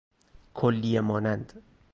کلیه مانند